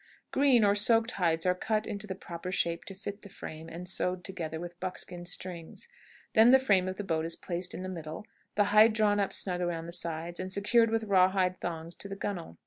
Green or soaked hides are cut into the proper shape to fit the frame, and sewed together with buckskin strings; then the frame of the boat is placed in the middle, the hide drawn up snug around the sides, and secured with raw hide thongs to the gunwale.